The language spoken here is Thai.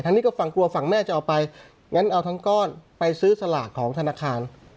นี้ก็ฝั่งกลัวฝั่งแม่จะเอาไปงั้นเอาทั้งก้อนไปซื้อสลากของธนาคาร